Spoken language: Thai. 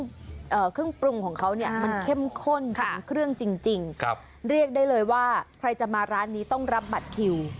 เครื่องปรุงของเขาเนี่ยมันเข้มข้นถึงเครื่องจริงเรียกได้เลยว่าใครจะมาร้านนี้ต้องรับบัตรคิว